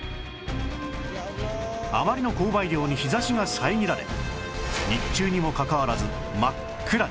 あまりの降灰量に日差しが遮られ日中にもかかわらず真っ暗に